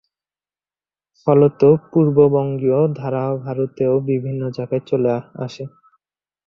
ফলত পূর্ববঙ্গীয় ধারা ভারতেও বিভিন্ন জায়গায় চলে আসে।